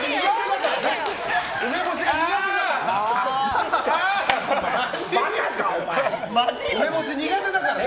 梅干し、苦手だからね。